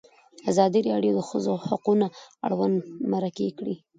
ازادي راډیو د د ښځو حقونه اړوند مرکې کړي.